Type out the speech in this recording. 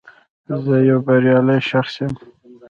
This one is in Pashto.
زه یو بریالی شخص یم